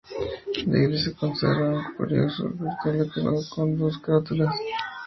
La iglesia conserva un curioso portal decorado con dos carátulas.